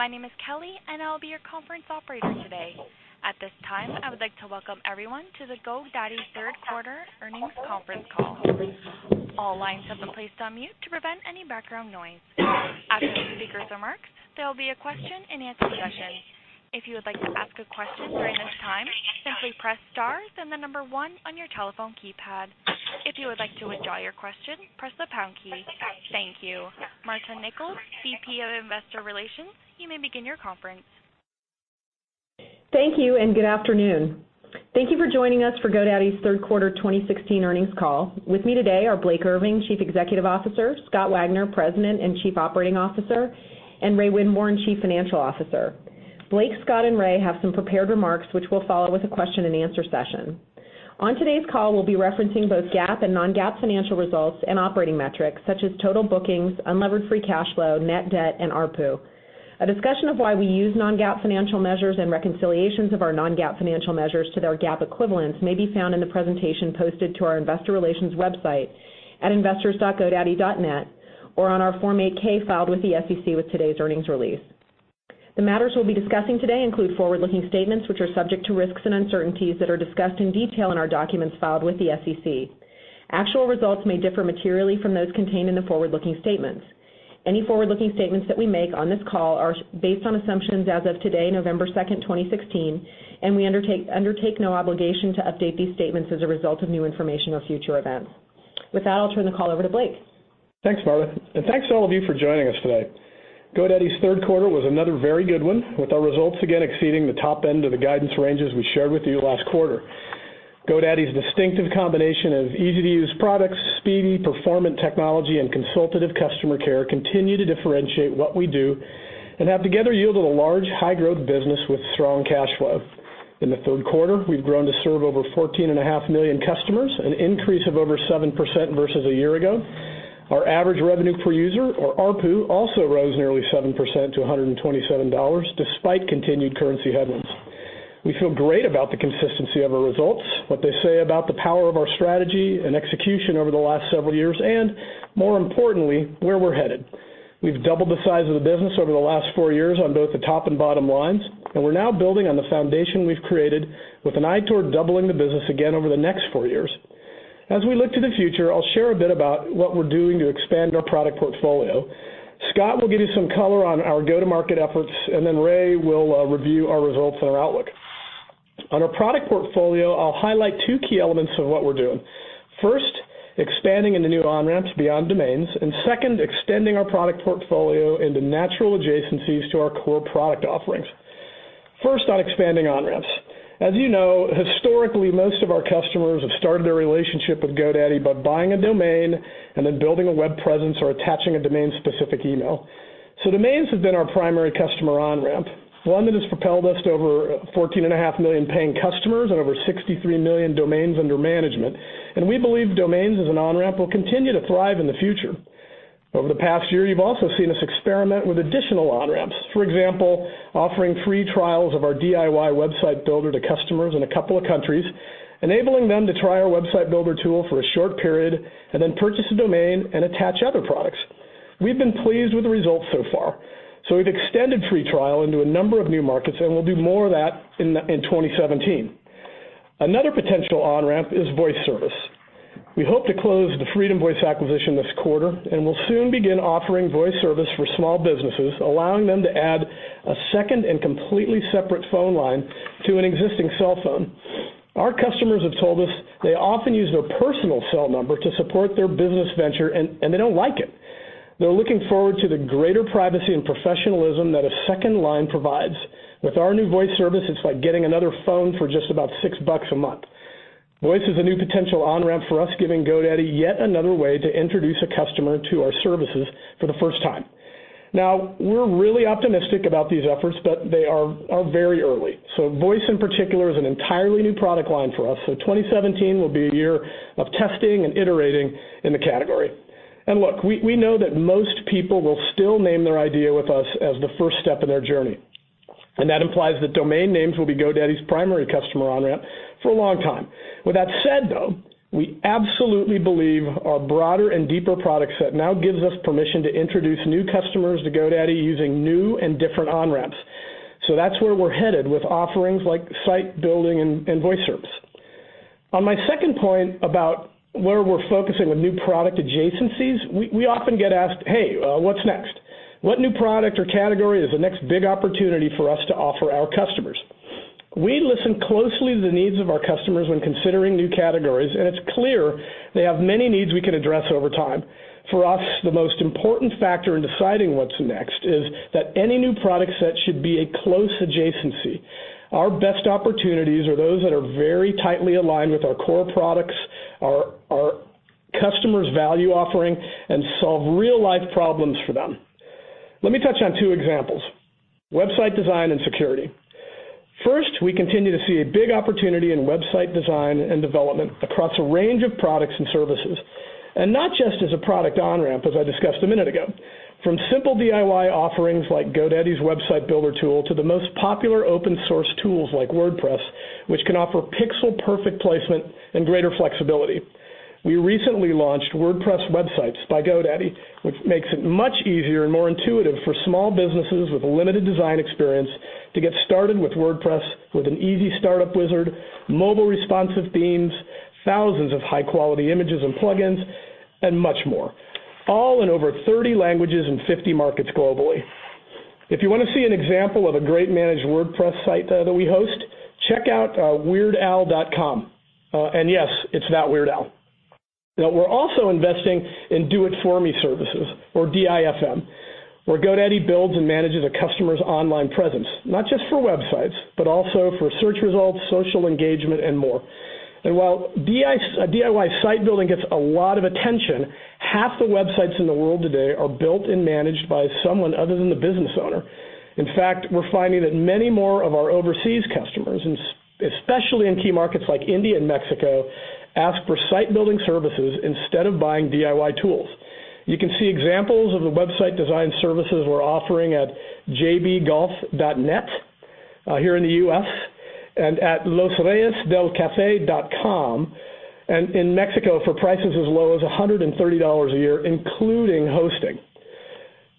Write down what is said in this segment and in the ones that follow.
Good afternoon. My name is Kelly, and I'll be your conference operator today. At this time, I would like to welcome everyone to the GoDaddy third quarter earnings conference call. All lines have been placed on mute to prevent any background noise. After the speakers' remarks, there will be a question-and-answer session. If you would like to ask a question during this time, simply press star, the number one on your telephone keypad. If you would like to withdraw your question, press the pound key. Thank you. Marta Nichols, VP of Investor Relations, you may begin your conference. Thank you, and good afternoon. Thank you for joining us for GoDaddy's third quarter 2016 earnings call. With me today are Blake Irving, Chief Executive Officer, Scott Wagner, President and Chief Operating Officer, and Ray Winborne, Chief Financial Officer. Blake, Scott, and Ray have some prepared remarks, which will follow with a question-and-answer session. On today's call, we'll be referencing both GAAP and non-GAAP financial results and operating metrics such as total bookings, unlevered free cash flow, net debt, and ARPU. A discussion of why we use non-GAAP financial measures and reconciliations of our non-GAAP financial measures to their GAAP equivalents may be found in the presentation posted to our investor relations website at investors.godaddy.net or on our Form 8-K filed with the SEC with today's earnings release. The matters we'll be discussing today include forward-looking statements, which are subject to risks and uncertainties that are discussed in detail in our documents filed with the SEC. Actual results may differ materially from those contained in the forward-looking statements. Any forward-looking statements that we make on this call are based on assumptions as of today, November 2nd, 2016, and we undertake no obligation to update these statements as a result of new information or future events. With that, I'll turn the call over to Blake. Thanks, Marta. Thanks to all of you for joining us today. GoDaddy's third quarter was another very good one, with our results again exceeding the top end of the guidance ranges we shared with you last quarter. GoDaddy's distinctive combination of easy-to-use products, speedy performant technology, and consultative customer care continue to differentiate what we do and have together yielded a large, high-growth business with strong cash flow. In the third quarter, we've grown to serve over 14.5 million customers, an increase of over 7% versus a year ago. Our average revenue per user, or ARPU, also rose nearly 7% to $127, despite continued currency headwinds. We feel great about the consistency of our results, what they say about the power of our strategy and execution over the last several years, and more importantly, where we're headed. We've doubled the size of the business over the last four years on both the top and bottom lines, and we're now building on the foundation we've created with an eye toward doubling the business again over the next four years. As we look to the future, I'll share a bit about what we're doing to expand our product portfolio. Scott will give you some color on our go-to-market efforts, and then Ray will review our results and our outlook. On our product portfolio, I'll highlight two key elements of what we're doing. First, expanding into new on-ramps beyond domains, and second, extending our product portfolio into natural adjacencies to our core product offerings. First, on expanding on-ramps. As you know, historically, most of our customers have started their relationship with GoDaddy by buying a domain and then building a web presence or attaching a domain-specific email. Domains have been our primary customer on-ramp, one that has propelled us to over 14.5 million paying customers and over 63 million domains under management. We believe domains as an on-ramp will continue to thrive in the future. Over the past year, you've also seen us experiment with additional on-ramps. For example, offering free trials of our DIY website builder to customers in a couple of countries, enabling them to try our website builder tool for a short period, and then purchase a domain and attach other products. We've been pleased with the results so far, so we've extended free trial into a number of new markets, and we'll do more of that in 2017. Another potential on-ramp is voice service. We hope to close the FreedomVoice acquisition this quarter, and we'll soon begin offering voice service for small businesses, allowing them to add a second and completely separate phone line to an existing cell phone. Our customers have told us they often use their personal cell number to support their business venture, and they don't like it. They're looking forward to the greater privacy and professionalism that a second line provides. With our new voice service, it's like getting another phone for just about $6 a month. Voice is a new potential on-ramp for us, giving GoDaddy yet another way to introduce a customer to our services for the first time. Now, we're really optimistic about these efforts, but they are very early. Voice, in particular, is an entirely new product line for us, so 2017 will be a year of testing and iterating in the category. Look, we know that most people will still name their idea with us as the first step in their journey. That implies that domain names will be GoDaddy's primary customer on-ramp for a long time. With that said, though, we absolutely believe our broader and deeper product set now gives us permission to introduce new customers to GoDaddy using new and different on-ramps. That's where we're headed with offerings like site building and voice service. On my second point about where we're focusing with new product adjacencies, we often get asked, "Hey, what's next? What new product or category is the next big opportunity for us to offer our customers?" We listen closely to the needs of our customers when considering new categories, and it's clear they have many needs we can address over time. For us, the most important factor in deciding what's next is that any new product set should be a close adjacency. Our best opportunities are those that are very tightly aligned with our core products, our customer's value offering, and solve real-life problems for them. Let me touch on two examples, website design and security. First, we continue to see a big opportunity in website design and development across a range of products and services, not just as a product on-ramp, as I discussed a minute ago. From simple DIY offerings like GoDaddy's website builder tool to the most popular open-source tools like WordPress, which can offer pixel-perfect placement and greater flexibility. We recently launched WordPress Websites by GoDaddy, which makes it much easier and more intuitive for small businesses with limited design experience to get started with WordPress with an easy startup wizard, mobile responsive themes, thousands of high-quality images and plugins, and much more, all in over 30 languages and 50 markets globally. If you want to see an example of a great managed WordPress site that we host, check out weirdal.com. Yes, it's that Weird Al. We're also investing in Do It For Me services, or DIFM, where GoDaddy builds and manages a customer's online presence, not just for websites, but also for search results, social engagement, and more. While DIY site building gets a lot of attention, half the websites in the world today are built and managed by someone other than the business owner. In fact, we're finding that many more of our overseas customers, especially in key markets like India and Mexico, ask for site-building services instead of buying DIY tools. You can see examples of the website design services we're offering at jbgolf.net here in the U.S., and at losreyesdelcafe.com in Mexico for prices as low as $130 a year, including hosting.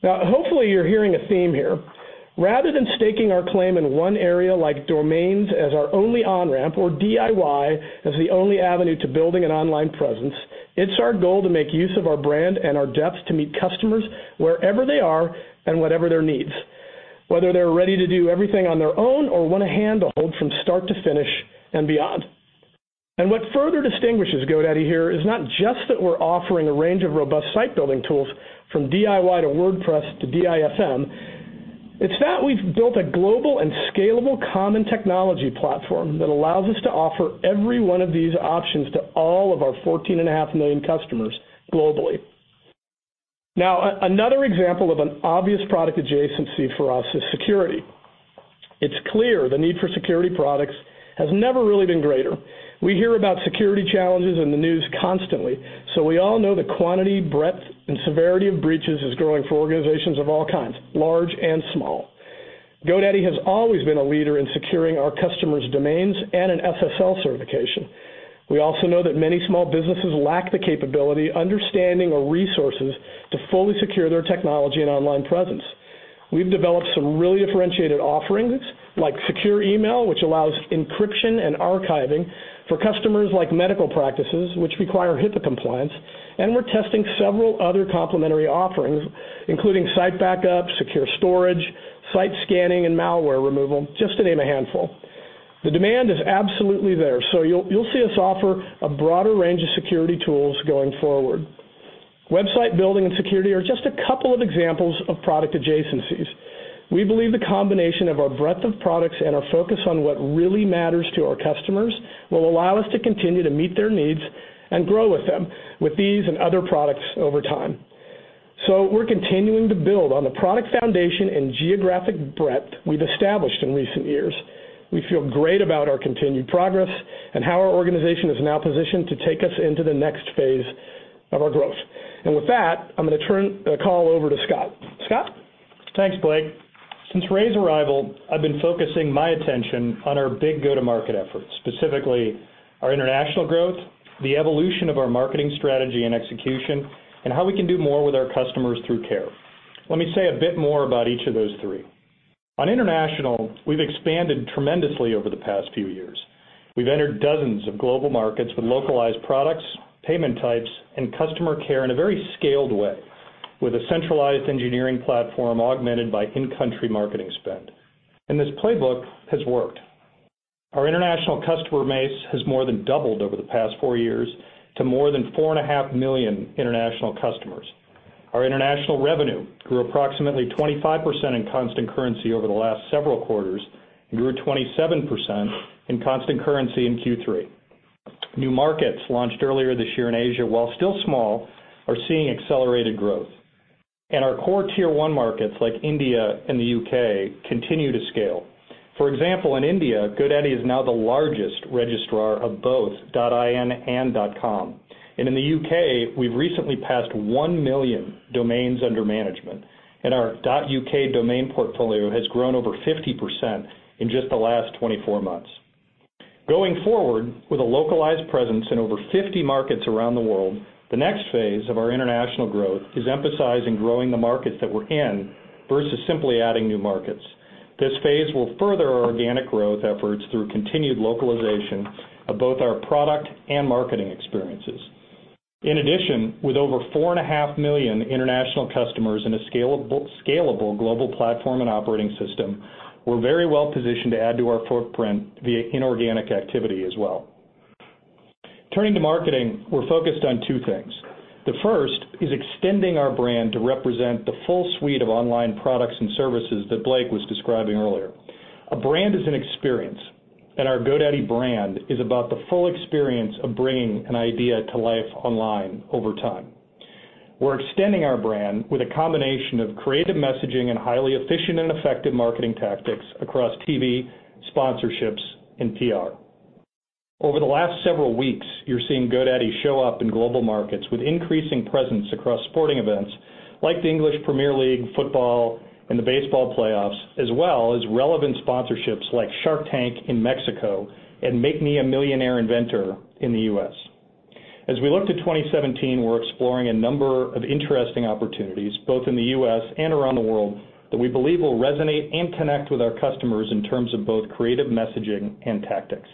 Hopefully you're hearing a theme here. Rather than staking our claim in one area like domains as our only on-ramp, or DIY as the only avenue to building an online presence, it's our goal to make use of our brand and our depth to meet customers wherever they are and whatever their needs, whether they're ready to do everything on their own or want a hand to hold from start to finish and beyond. What further distinguishes GoDaddy here is not just that we're offering a range of robust site-building tools from DIY to WordPress to DIFM, it's that we've built a global and scalable common technology platform that allows us to offer every one of these options to all of our 14.5 million customers globally. Another example of an obvious product adjacency for us is security. It's clear the need for security products has never really been greater. We hear about security challenges in the news constantly, so we all know the quantity, breadth, and severity of breaches is growing for organizations of all kinds, large and small. GoDaddy has always been a leader in securing our customers' domains and an SSL certification. We also know that many small businesses lack the capability, understanding, or resources to fully secure their technology and online presence. We've developed some really differentiated offerings like secure email, which allows encryption and archiving for customers like medical practices, which require HIPAA compliance, and we're testing several other complementary offerings, including site backup, secure storage, site scanning, and malware removal, just to name a handful. The demand is absolutely there. You'll see us offer a broader range of security tools going forward. Website building and security are just a couple of examples of product adjacencies. We believe the combination of our breadth of products and our focus on what really matters to our customers will allow us to continue to meet their needs and grow with them with these and other products over time. We're continuing to build on the product foundation and geographic breadth we've established in recent years. We feel great about our continued progress and how our organization is now positioned to take us into the next phase of our growth. With that, I'm going to turn the call over to Scott. Scott? Thanks, Blake. Since Ray's arrival, I've been focusing my attention on our big go-to-market efforts, specifically our international growth, the evolution of our marketing strategy and execution, and how we can do more with our customers through care. Let me say a bit more about each of those three. On international, we've expanded tremendously over the past few years. We've entered dozens of global markets with localized products, payment types, and customer care in a very scaled way, with a centralized engineering platform augmented by in-country marketing spend. This playbook has worked. Our international customer base has more than doubled over the past four years to more than 4.5 million international customers. Our international revenue grew approximately 25% in constant currency over the last several quarters and grew 27% in constant currency in Q3. New markets launched earlier this year in Asia, while still small, are seeing accelerated growth. Our core tier-1 markets like India and the U.K. continue to scale. For example, in India, GoDaddy is now the largest registrar of both .in and .com. In the U.K., we've recently passed 1 million domains under management, and our .uk domain portfolio has grown over 50% in just the last 24 months. Going forward with a localized presence in over 50 markets around the world, the next phase of our international growth is emphasizing growing the markets that we're in versus simply adding new markets. This phase will further our organic growth efforts through continued localization of both our product and marketing experiences. In addition, with over 4.5 million international customers in a scalable global platform and operating system, we're very well positioned to add to our footprint via inorganic activity as well. Turning to marketing, we're focused on two things. The first is extending our brand to represent the full suite of online products and services that Blake was describing earlier. A brand is an experience, and our GoDaddy brand is about the full experience of bringing an idea to life online over time. We're extending our brand with a combination of creative messaging and highly efficient and effective marketing tactics across TV, sponsorships, and PR. Over the last several weeks, you're seeing GoDaddy show up in global markets with increasing presence across sporting events like the English Premier League, football, and the baseball playoffs, as well as relevant sponsorships like "Shark Tank" in Mexico and "Make Me a Millionaire Inventor" in the U.S. As we look to 2017, we're exploring a number of interesting opportunities, both in the U.S. and around the world, that we believe will resonate and connect with our customers in terms of both creative messaging and tactics.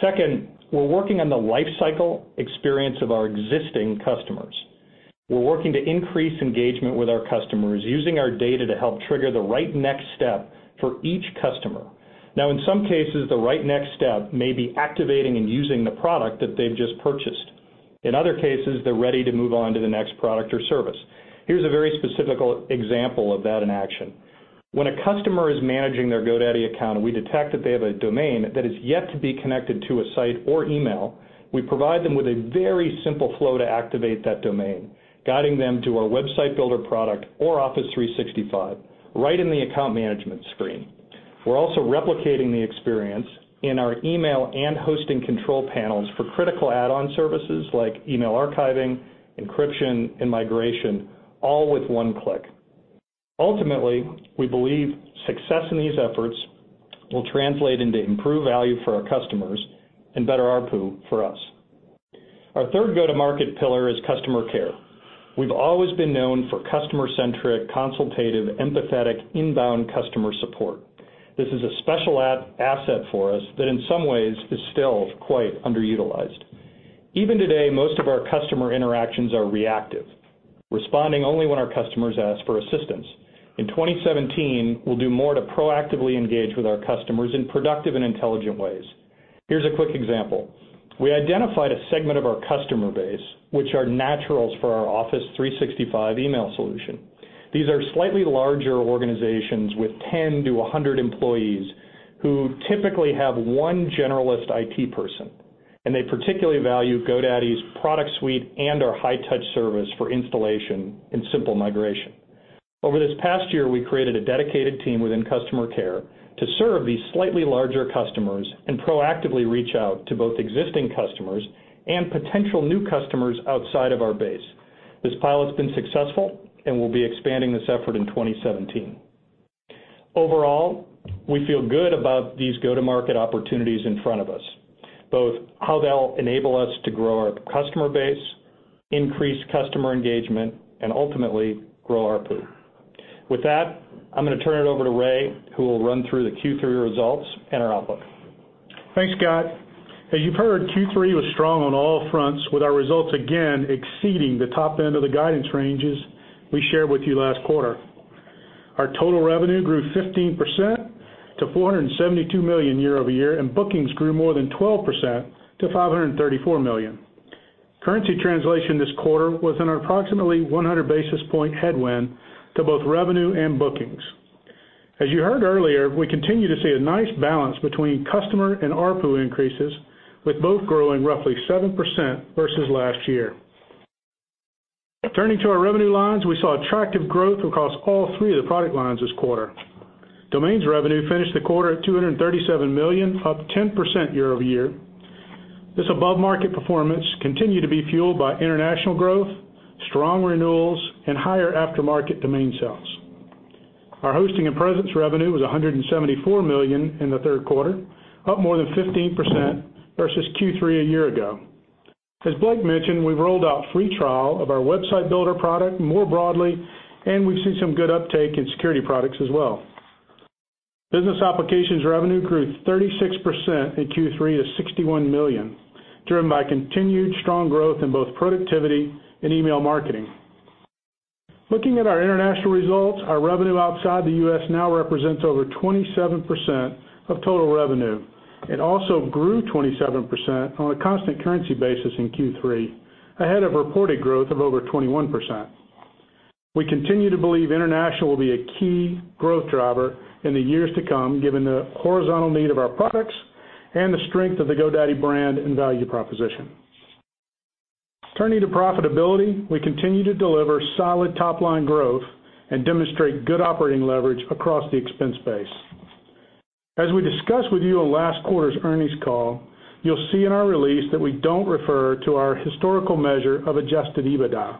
Second, we're working on the life cycle experience of our existing customers. We're working to increase engagement with our customers, using our data to help trigger the right next step for each customer. Now, in some cases, the right next step may be activating and using the product that they've just purchased. In other cases, they're ready to move on to the next product or service. Here's a very specific example of that in action. When a customer is managing their GoDaddy account, and we detect that they have a domain that is yet to be connected to a site or email, we provide them with a very simple flow to activate that domain, guiding them to our website builder product or Office 365 right in the account management screen. We're also replicating the experience in our email and hosting control panels for critical add-on services like email archiving, encryption, and migration, all with one click. Ultimately, we believe success in these efforts will translate into improved value for our customers and better ARPU for us. Our third go-to-market pillar is customer care. We've always been known for customer-centric, consultative, empathetic, inbound customer support. This is a special asset for us that in some ways is still quite underutilized. Even today, most of our customer interactions are reactive, responding only when our customers ask for assistance. In 2017, we'll do more to proactively engage with our customers in productive and intelligent ways. Here's a quick example. We identified a segment of our customer base, which are naturals for our Office 365 email solution. These are slightly larger organizations with 10-100 employees who typically have one generalist IT person, and they particularly value GoDaddy's product suite and our high-touch service for installation and simple migration. Over this past year, we created a dedicated team within customer care to serve these slightly larger customers and proactively reach out to both existing customers and potential new customers outside of our base. This pilot's been successful, and we'll be expanding this effort in 2017. Overall, we feel good about these go-to-market opportunities in front of us, both how they'll enable us to grow our customer base, increase customer engagement, and ultimately grow ARPU. With that, I'm going to turn it over to Ray, who will run through the Q3 results and our outlook. Thanks, Scott. As you've heard, Q3 was strong on all fronts with our results again exceeding the top end of the guidance ranges we shared with you last quarter. Our total revenue grew 15% to $472 million year-over-year, and bookings grew more than 12% to $534 million. Currency translation this quarter was an approximately 100 basis point headwind to both revenue and bookings. As you heard earlier, we continue to see a nice balance between customer and ARPU increases, with both growing roughly 7% versus last year. Turning to our revenue lines, we saw attractive growth across all three of the product lines this quarter. Domains revenue finished the quarter at $237 million, up 10% year-over-year. This above-market performance continued to be fueled by international growth, strong renewals, and higher aftermarket domain sales. Our hosting and presence revenue was $174 million in the third quarter, up more than 15% versus Q3 a year ago. As Blake mentioned, we've rolled out a free trial of our website builder product more broadly, and we've seen some good uptake in security products as well. Business applications revenue grew 36% in Q3 to $61 million, driven by continued strong growth in both productivity and email marketing. Looking at our international results, our revenue outside the U.S. now represents over 27% of total revenue. It also grew 27% on a constant currency basis in Q3, ahead of reported growth of over 21%. We continue to believe international will be a key growth driver in the years to come, given the horizontal need of our products and the strength of the GoDaddy brand and value proposition. Turning to profitability, we continue to deliver solid top-line growth and demonstrate good operating leverage across the expense base. As we discussed with you on last quarter's earnings call, you'll see in our release that we don't refer to our historical measure of adjusted EBITDA.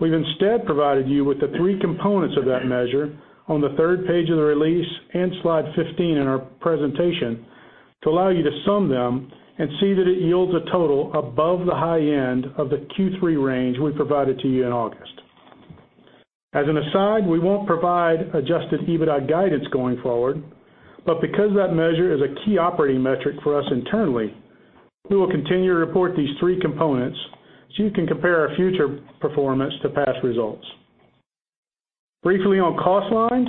We've instead provided you with the three components of that measure on the third page of the release and slide 15 in our presentation to allow you to sum them and see that it yields a total above the high end of the Q3 range we provided to you in August. As an aside, we won't provide adjusted EBITDA guidance going forward, but because that measure is a key operating metric for us internally, we will continue to report these three components so you can compare our future performance to past results. Briefly on cost lines,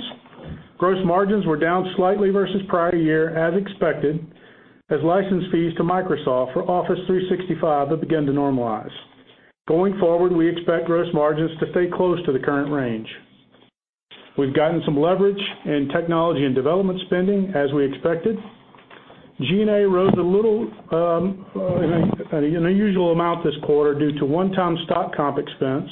gross margins were down slightly versus prior year as expected as license fees to Microsoft for Office 365 have begun to normalize. Going forward, we expect gross margins to stay close to the current range. We've gotten some leverage in technology and development spending, as we expected. G&A rose an unusual amount this quarter due to one-time stock comp expense,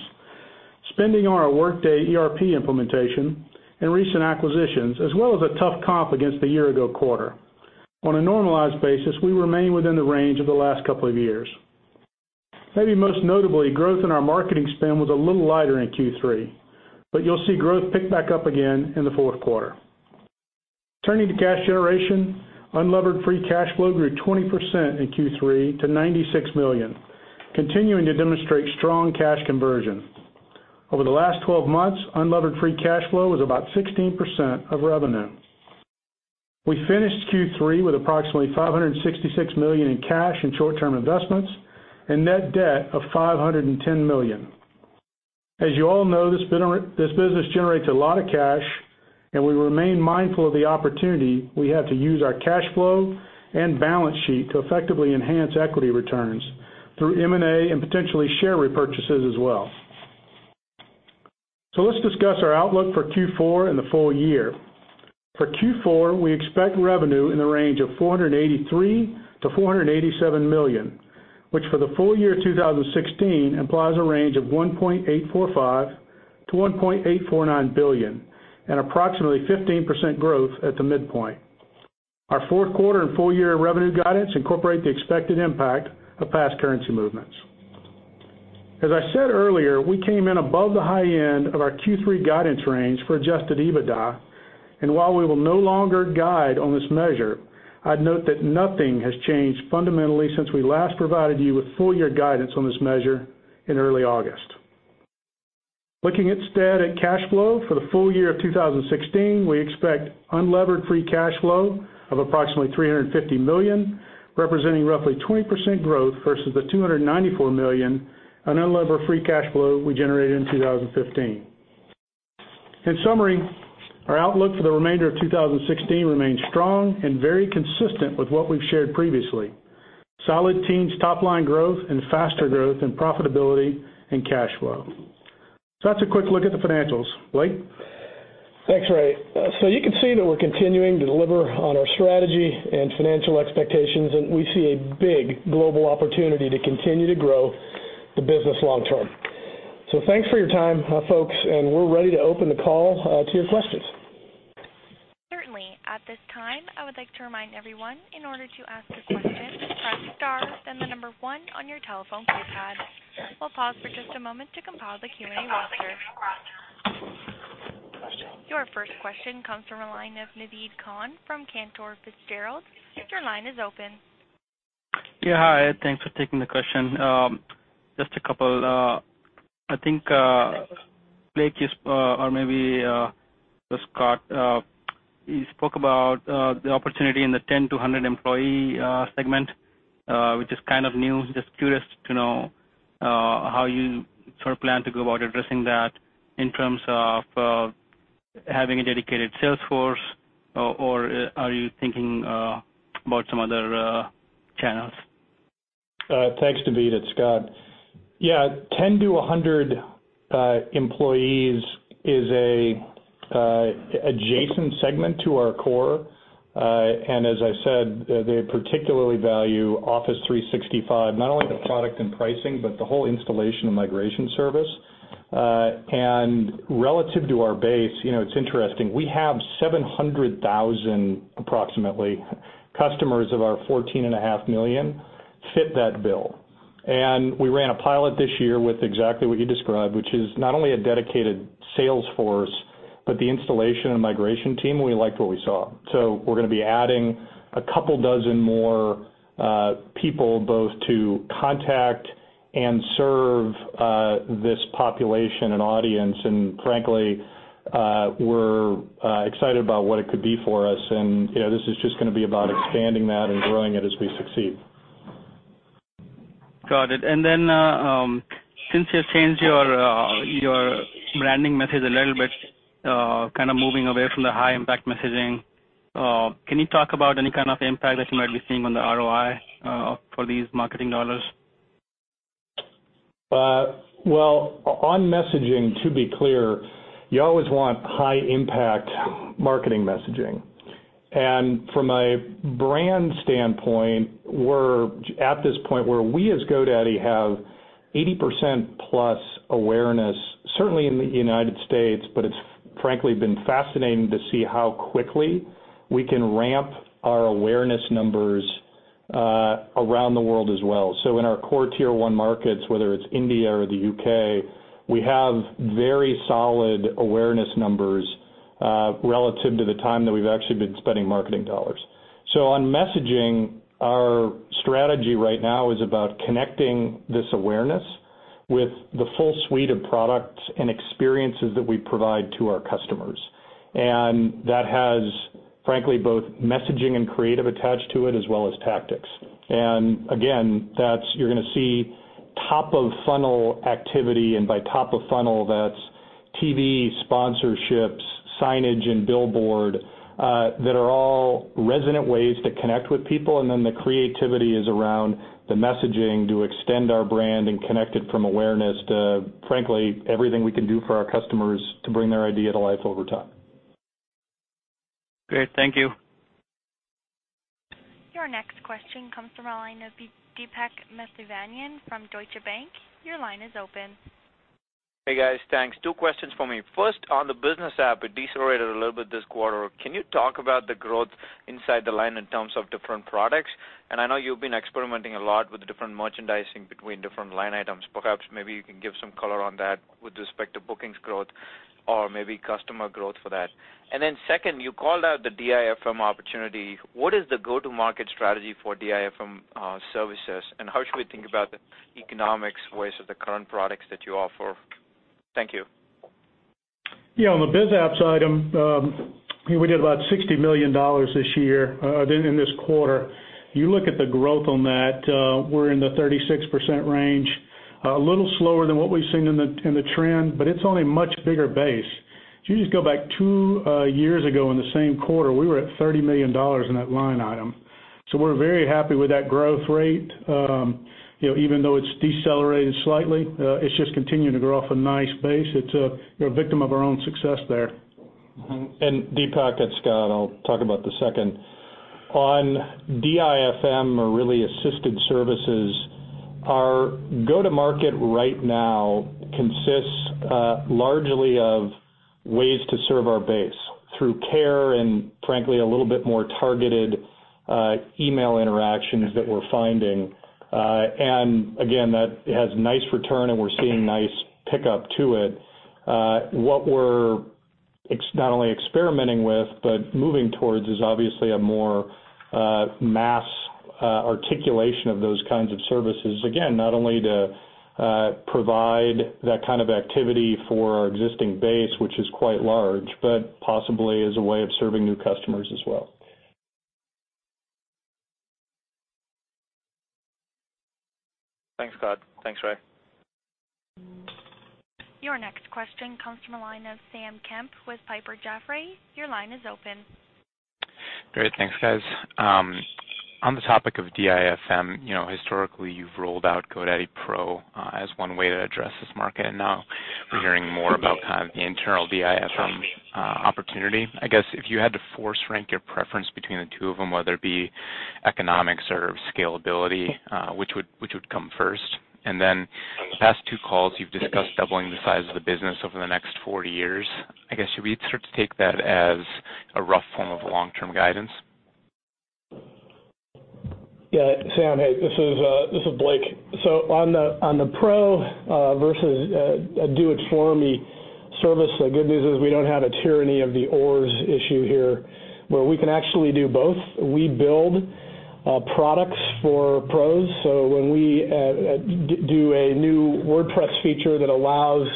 spending on our Workday ERP implementation, and recent acquisitions, as well as a tough comp against the year-ago quarter. On a normalized basis, we remain within the range of the last couple of years. Most notably, growth in our marketing spend was a little lighter in Q3, but you'll see growth pick back up again in the fourth quarter. Turning to cash generation, unlevered free cash flow grew 20% in Q3 to $96 million, continuing to demonstrate strong cash conversion. Over the last 12 months, unlevered free cash flow was about 16% of revenue. We finished Q3 with approximately $566 million in cash and short-term investments and net debt of $510 million. As you all know, this business generates a lot of cash, and we remain mindful of the opportunity we have to use our cash flow and balance sheet to effectively enhance equity returns through M&A and potentially share repurchases as well. Let's discuss our outlook for Q4 and the full year. For Q4, we expect revenue in the range of $483 million-$487 million, which for the full year 2016 implies a range of $1.845 billion-$1.849 billion and approximately 15% growth at the midpoint. Our fourth quarter and full year revenue guidance incorporate the expected impact of past currency movements. As I said earlier, we came in above the high end of our Q3 guidance range for adjusted EBITDA, and while we will no longer guide on this measure, I'd note that nothing has changed fundamentally since we last provided you with full year guidance on this measure in early August. Looking instead at cash flow for the full year of 2016, we expect unlevered free cash flow of approximately $350 million, representing roughly 20% growth versus the $294 million on unlevered free cash flow we generated in 2015. In summary, our outlook for the remainder of 2016 remains strong and very consistent with what we've shared previously. Solid teens top-line growth and faster growth and profitability and cash flow. That's a quick look at the financials. Blake? Thanks, Ray. You can see that we're continuing to deliver on our strategy and financial expectations, and we see a big global opportunity to continue to grow the business long term. Thanks for your time, folks, and we're ready to open the call to your questions. Certainly. At this time, I would like to remind everyone, in order to ask a question, press star then the number 1 on your telephone keypad. We'll pause for just a moment to compile the human roster. Your first question comes from the line of Naved Khan from Cantor Fitzgerald. Your line is open. Yeah. Hi, thanks for taking the question. Just a couple. I think Blake is, or maybe it was Scott, you spoke about the opportunity in the 10 to 100 employee segment, which is kind of new. Just curious to know how you sort of plan to go about addressing that in terms of having a dedicated sales force, or are you thinking about some other channels? Thanks, Naved. It's Scott. Yeah, 10 to 100 employees is an adjacent segment to our core. As I said, they particularly value Office 365, not only the product and pricing, but the whole installation and migration service. Relative to our base, it's interesting, we have 700,000, approximately, customers of our 14.5 million fit that bill. We ran a pilot this year with exactly what you described, which is not only a dedicated sales force, but the installation and migration team, and we liked what we saw. We're going to be adding a couple dozen more people both to contact and serve this population and audience, and frankly, we're excited about what it could be for us. This is just going to be about expanding that and growing it as we succeed. Got it. Then since you changed your branding message a little bit, kind of moving away from the high impact messaging, can you talk about any kind of impact that you might be seeing on the ROI for these marketing dollars? Well, on messaging, to be clear, you always want high impact marketing messaging. From a brand standpoint, we're at this point where we as GoDaddy have 80% plus awareness, certainly in the U.S., but it's frankly been fascinating to see how quickly we can ramp our awareness numbers around the world as well. In our core tier 1 markets, whether it's India or the U.K., we have very solid awareness numbers relative to the time that we've actually been spending marketing dollars. On messaging, our strategy right now is about connecting this awareness with the full suite of products and experiences that we provide to our customers. That has, frankly, both messaging and creative attached to it, as well as tactics. Again, you're going to see top of funnel activity, and by top of funnel, that's TV sponsorships, signage, and billboard, that are all resonant ways to connect with people. Then the creativity is around the messaging to extend our brand and connect it from awareness to, frankly, everything we can do for our customers to bring their idea to life over time. Great. Thank you. Your next question comes from the line of Deepak from Deutsche Bank. Your line is open. Hey, guys. Thanks. Two questions for me. First, on the business app, it decelerated a little bit this quarter. Can you talk about the growth inside the line in terms of different products? I know you've been experimenting a lot with the different merchandising between different line items. Perhaps, maybe you can give some color on that with respect to bookings growth or maybe customer growth for that. Second, you called out the DIFM opportunity. What is the go-to-market strategy for DIFM services, and how should we think about the economics versus the current products that you offer? Thank you. Yeah, on the biz apps item, we did about $60 million this year, in this quarter. You look at the growth on that, we're in the 36% range. A little slower than what we've seen in the trend, but it's on a much bigger base. You just go back two years ago in the same quarter, we were at $30 million in that line item. We're very happy with that growth rate. Even though it's decelerated slightly, it's just continuing to grow off a nice base. It's a victim of our own success there. Deepak, it's Scott. I'll talk about the second. On DIFM or really assisted services, our go-to-market right now consists largely of ways to serve our base through care and frankly, a little bit more targeted email interactions that we're finding. Again, that has nice return and we're seeing nice pickup to it. What we're not only experimenting with, but moving towards, is obviously a more mass articulation of those kinds of services. Again, not only to provide that kind of activity for our existing base, which is quite large, but possibly as a way of serving new customers as well. Thanks, Scott. Thanks, Ray. Your next question comes from the line of Sam Kemp with Piper Jaffray. Your line is open. Great. Thanks, guys. On the topic of DIFM, historically, you've rolled out GoDaddy Pro, as one way to address this market, and now we're hearing more about kind of the internal DIFM opportunity. I guess, if you had to force rank your preference between the two of them, whether it be economics or scalability, which would come first? The past two calls, you've discussed doubling the size of the business over the next 40 years. I guess, should we start to take that as a rough form of long-term guidance? Yeah, Sam, hey, this is Blake. On the Pro versus a do it for me service, the good news is we don't have a tyranny of the or's issue here, where we can actually do both. We build products for pros. When we do a new WordPress feature that allows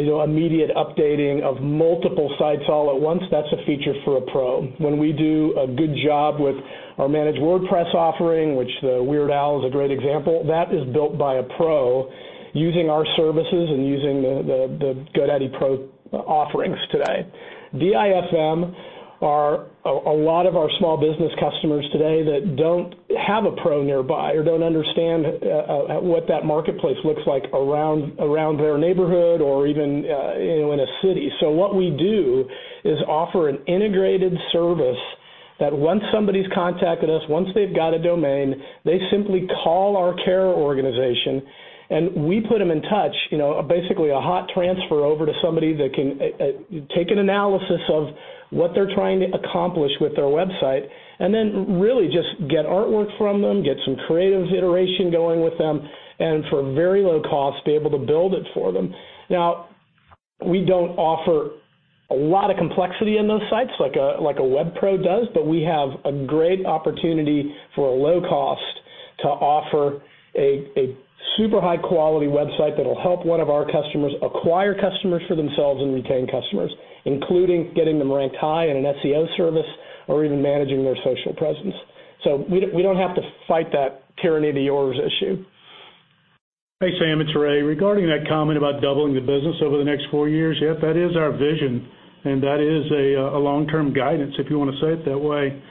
immediate updating of multiple sites all at once, that's a feature for a pro. When we do a good job with our managed WordPress offering, which the Weird Al is a great example, that is built by a pro using our services and using the GoDaddy Pro offerings today. DIFM are a lot of our small business customers today that don't have a pro nearby or don't understand what that marketplace looks like around their neighborhood or even in a city. What we do is offer an integrated service that once somebody's contacted us, once they've got a domain, they simply call our care organization, and we put them in touch, basically a hot transfer over to somebody that can take an analysis of what they're trying to accomplish with their website, and then really just get artwork from them, get some creative iteration going with them, and for a very low cost, be able to build it for them. Now, we don't offer a lot of complexity in those sites like a WebPro does, but we have a great opportunity for a low cost to offer a super high-quality website that'll help one of our customers acquire customers for themselves and retain customers, including getting them ranked high in an SEO service or even managing their social presence. We don't have to fight that tyranny of the or's issue. Hey, Sam, it's Ray. Regarding that comment about doubling the business over the next four years, yep, that is our vision, and that is a long-term guidance, if you want to say it that way.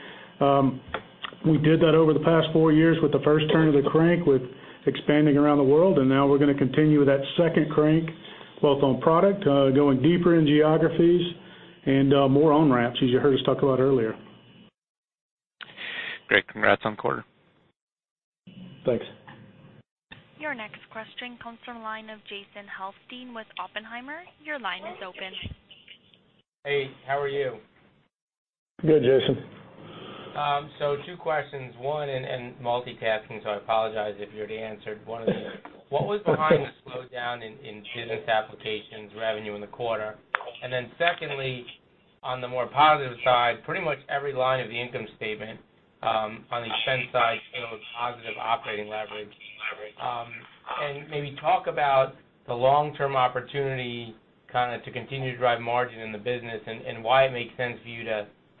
We did that over the past four years with the first turn of the crank with expanding around the world, and now we're going to continue with that second crank, both on product, going deeper in geographies and more on-ramps, as you heard us talk about earlier. Great. Congrats on quarter. Thanks. Your next question comes from the line of Jason Helfstein with Oppenheimer. Your line is open. Hey, how are you? Good, Jason. Two questions. One, multitasking, I apologize if you already answered one of these. What was behind the slowdown in business applications revenue in the quarter? Secondly, on the more positive side, pretty much every line of the income statement, on the expense side showed positive operating leverage. Maybe talk about the long-term opportunity kind of to continue to drive margin in the business, and why it makes sense for you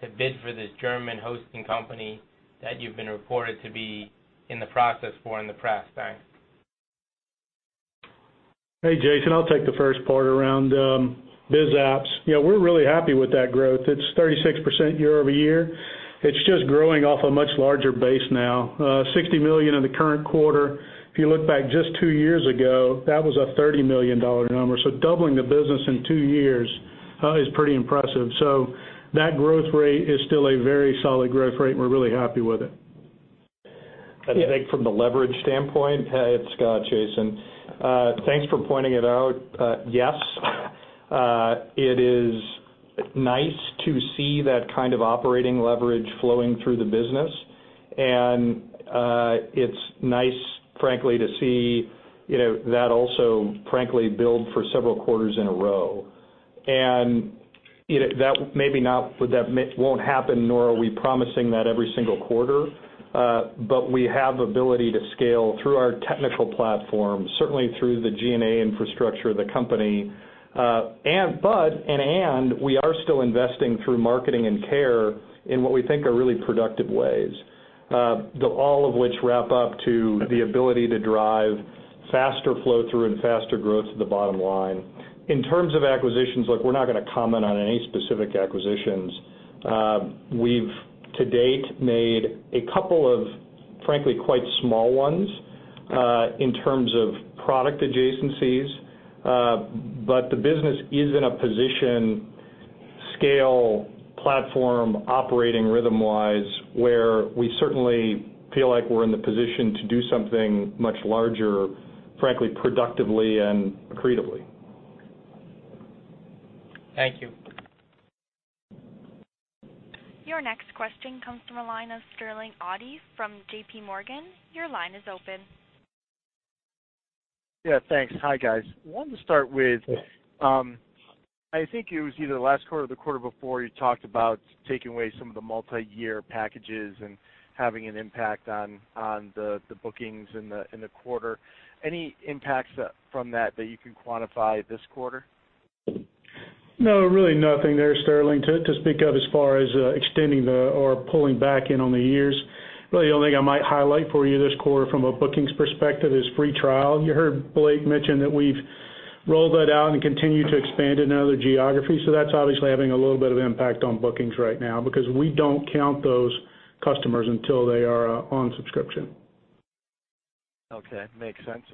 to bid for this German hosting company that you've been reported to be in the process for in the press. Thanks. Hey, Jason, I'll take the first part around biz apps. We're really happy with that growth. It's 36% year-over-year. It's just growing off a much larger base now, $60 million in the current quarter. If you look back just two years ago, that was a $30 million number. Doubling the business in two years is pretty impressive. That growth rate is still a very solid growth rate, and we're really happy with it. I think from the leverage standpoint, hey, it is Scott Wagner, Jason Helfstein. Thanks for pointing it out. Yes, it is nice to see that kind of operating leverage flowing through the business, and it is nice, frankly, to see that also build for several quarters in a row. That won't happen, nor are we promising that every single quarter, but we have the ability to scale through our technical platform, certainly through the G&A infrastructure of the company. We are still investing through marketing and care in what we think are really productive ways. All of which wrap up to the ability to drive faster flow-through and faster growth to the bottom line. In terms of acquisitions, look, we are not going to comment on any specific acquisitions. We have, to date, made a couple of, frankly, quite small ones, in terms of product adjacencies. The business is in a position, scale, platform, operating rhythm-wise, where we certainly feel like we're in the position to do something much larger, frankly, productively and accretively. Thank you. Your next question comes from the line of Sterling Auty from J.P. Morgan. Your line is open. Yeah, thanks. Hi, guys. I wanted to start with, I think it was either last quarter or the quarter before, you talked about taking away some of the multi-year packages and having an impact on the bookings in the quarter. Any impacts from that you can quantify this quarter? Really nothing there, Sterling, to speak of as far as extending the, or pulling back in on the years. The only thing I might highlight for you this quarter from a bookings perspective is free trial. You heard Blake mention that we've rolled that out and continue to expand into other geographies, so that's obviously having a little bit of impact on bookings right now, because we don't count those customers until they are on subscription. Okay. Makes sense.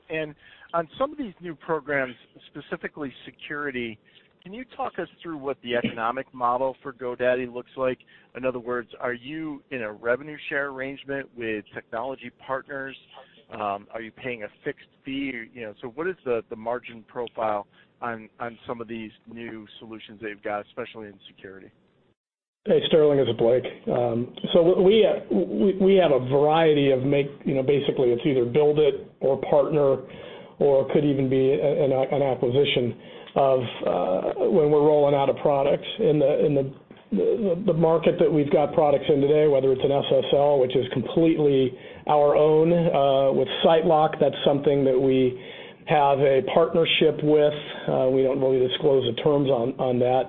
On some of these new programs, specifically security, can you talk us through what the economic model for GoDaddy looks like? In other words, are you in a revenue share arrangement with technology partners? Are you paying a fixed fee? What is the margin profile on some of these new solutions that you've got, especially in security? Hey, Sterling, this is Blake. We have a variety of basically it's either build it or partner, or it could even be an acquisition of when we're rolling out a product. In the market that we've got products in today, whether it's an SSL, which is completely our own, with SiteLock, that's something that we have a partnership with. We don't really disclose the terms on that.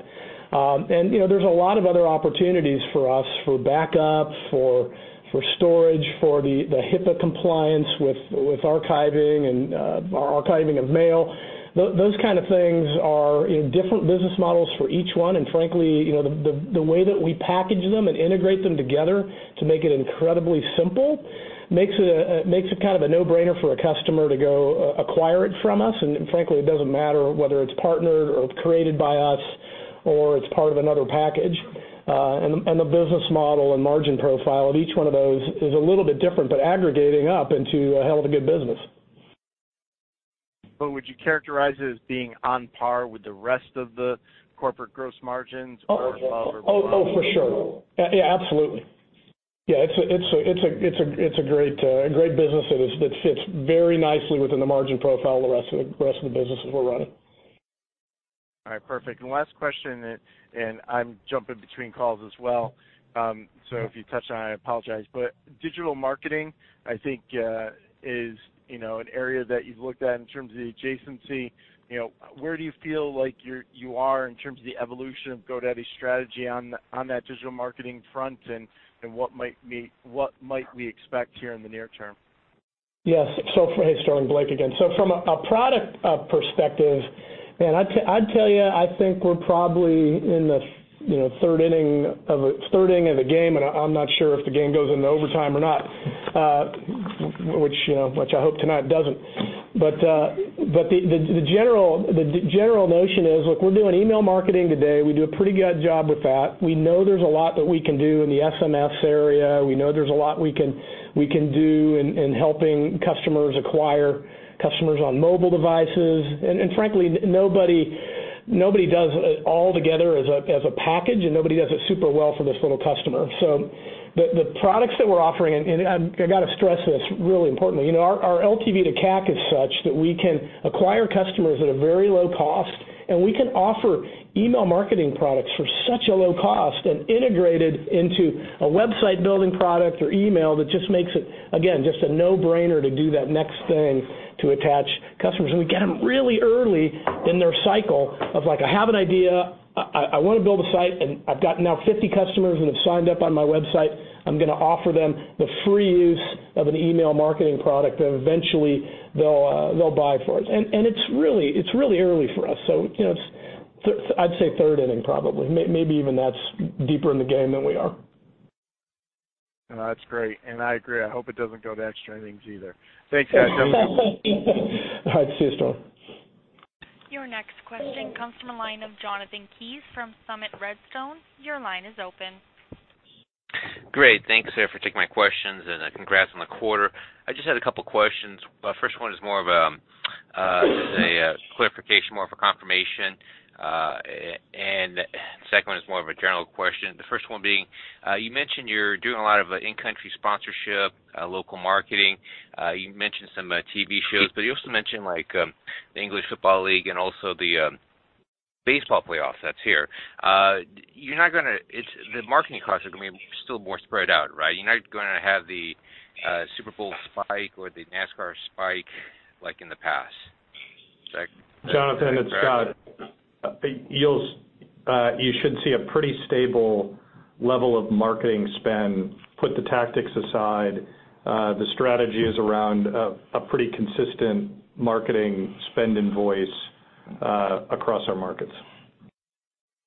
There's a lot of other opportunities for us, for backup, for storage, for the HIPAA compliance with archiving, and archiving of mail. Those kind of things are different business models for each one, and frankly, the way that we package them and integrate them together to make it incredibly simple, makes it kind of a no-brainer for a customer to go acquire it from us. It doesn't matter whether it's partnered or created by us or it's part of another package. The business model and margin profile of each one of those is a little bit different, but aggregating up into a hell of a good business. Would you characterize it as being on par with the rest of the corporate gross margins or lower or higher? Oh, for sure. Yeah, absolutely. Yeah, it's a great business that fits very nicely within the margin profile of the rest of the businesses we're running. All right, perfect. Last question, I'm jumping between calls as well, so if you touched on it, I apologize, but digital marketing, I think is an area that you've looked at in terms of the adjacency. Where do you feel like you are in terms of the evolution of GoDaddy's strategy on that digital marketing front, and what might we expect here in the near term? Yes. Hey, Sterling, Blake again. From a product perspective, man, I'd tell you, I think we're probably in the third inning of the game, I'm not sure if the game goes into overtime or not, which I hope tonight doesn't. The general notion is, look, we're doing email marketing today. We do a pretty good job with that. We know there's a lot that we can do in the SMS area. We know there's a lot we can do in helping customers acquire customers on mobile devices. Frankly, nobody does it all together as a package, nobody does it super well for this little customer. The products that we're offering, I got to stress this, really importantly, our LTV to CAC is such that we can acquire customers at a very low cost, we can offer email marketing products for such a low cost and integrate it into a website-building product or email that just makes it, again, just a no-brainer to do that next thing to attach customers. We get them really early in their cycle of like, "I have an idea. I want to build a site, I've got now 50 customers that have signed up on my website. I'm going to offer them the free use of an email marketing product that eventually they'll buy for us." It's really early for us, so I'd say third inning probably. Maybe even that's deeper in the game than we are. No, that's great. I agree. I hope it doesn't go to extra innings either. Thanks, guys. Have a good one. All right. See you, Sterling. Your next question comes from the line of Jonathan Kees from Summit Redstone. Your line is open. Great. Thanks for taking my questions, and congrats on the quarter. I just had a couple questions. First one is more of a clarification, more of a confirmation, and second one is more of a general question. The first one being, you mentioned you're doing a lot of in-country sponsorship, local marketing. You mentioned some TV shows, but you also mentioned the English Football League and also the baseball playoffs that's here. The marketing costs are going to be still more spread out, right? You're not going to have the Super Bowl spike or the NASCAR spike like in the past. Is that correct? Jonathan, it's Scott. You should see a pretty stable level of marketing spend. Put the tactics aside, the strategy is around a pretty consistent marketing spend and voice across our markets.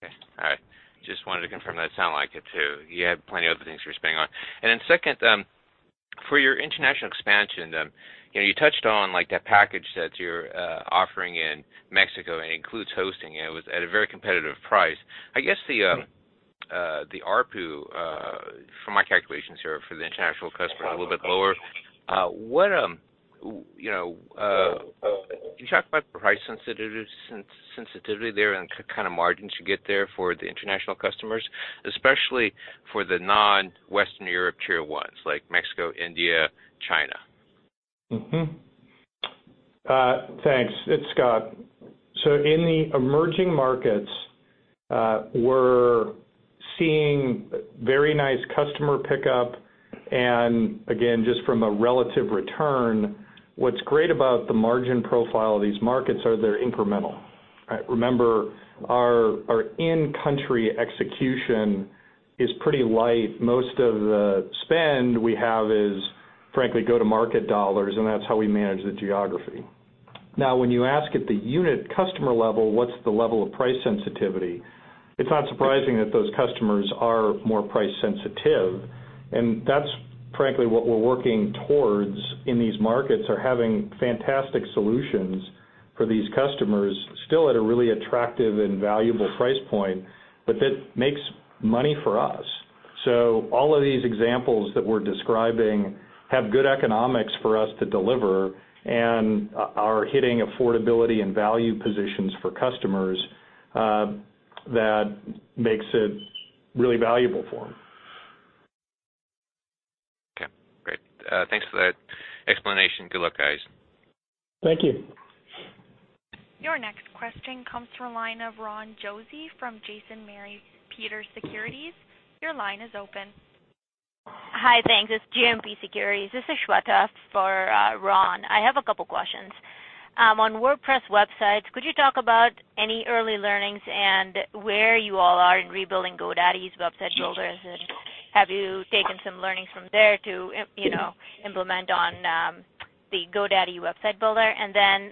Okay. All right. Just wanted to confirm that. It sounded like it, too. You have plenty of other things you're spending on. Then second, for your international expansion, you touched on that package that you're offering in Mexico, and it includes hosting, and it was at a very competitive price. I guess the ARPU, from my calculations here, for the international customer, is a little bit lower. Can you talk about the price sensitivity there and what kind of margins you get there for the international customers, especially for the non-Western Europe Tier 1s like Mexico, India, China? Thanks. It's Scott. In the emerging markets, we're seeing very nice customer pickup, again, just from a relative return, what's great about the margin profile of these markets are they're incremental. Right? Remember, our in-country execution is pretty light. Most of the spend we have is, frankly, go-to-market dollars, and that's how we manage the geography. When you ask at the unit customer level, what's the level of price sensitivity, it's not surprising that those customers are more price sensitive, that's frankly what we're working towards in these markets, are having fantastic solutions for these customers still at a really attractive and valuable price point, but that makes money for us. All of these examples that we're describing have good economics for us to deliver and are hitting affordability and value positions for customers that makes it really valuable for them. Great. Thanks for that explanation. Good luck, guys. Thank you. Your next question comes from the line of Ron Josey from JMP Securities. Your line is open. Hi, thanks. It's JMP Securities. This is Shweta for Ron. I have a couple questions. On WordPress websites, could you talk about any early learnings and where you all are in rebuilding GoDaddy's website builders? Have you taken some learnings from there to implement on the GoDaddy website builder?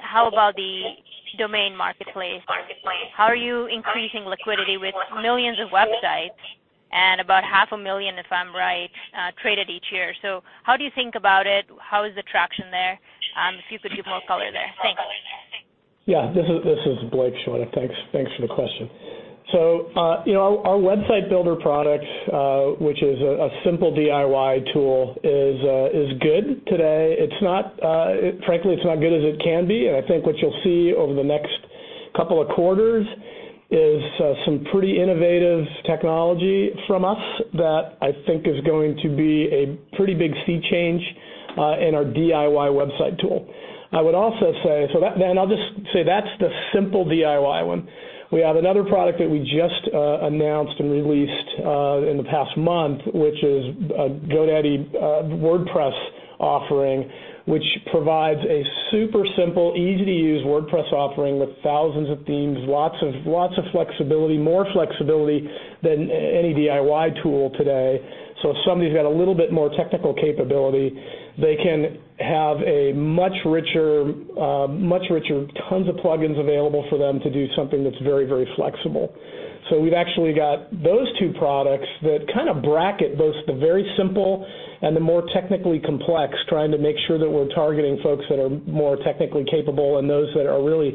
How about the domain marketplace? How are you increasing liquidity with millions of websites and about half a million, if I'm right, traded each year? How do you think about it? How is the traction there? If you could give more color there. Thanks. Yeah, this is Blake, Shweta. Thanks for the question. Our website builder product, which is a simple DIY tool, is good today. Frankly, it's not as good as it can be, and I think what you'll see over the next couple of quarters is some pretty innovative technology from us that I think is going to be a pretty big sea change in our DIY website tool. I'll just say, that's the simple DIY one. We have another product that we just announced and released in the past month, which is a GoDaddy WordPress offering, which provides a super simple, easy-to-use WordPress offering with thousands of themes, lots of flexibility, more flexibility than any DIY tool today. If somebody's got a little bit more technical capability, they can have a much richer, tons of plugins available for them to do something that's very flexible. We've actually got those two products that kind of bracket both the very simple and the more technically complex, trying to make sure that we're targeting folks that are more technically capable and those that are really